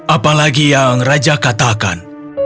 apalagi yang raja katakan